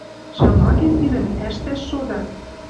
Шамакем тидӹм ӓштӓш шода».